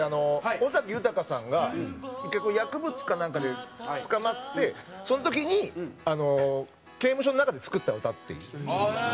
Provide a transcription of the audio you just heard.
尾崎豊さんが薬物かなんかで捕まってその時に刑務所の中で作った歌っていう。